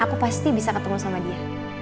aku pasti bisa ketemu sama dia